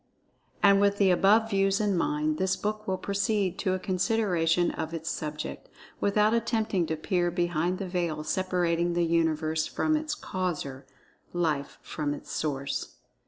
And with the above views in mind, this book will proceed to a consideration of its subject, without attempting to peer behind the veil separating the Universe from its Causer—Life from its Source.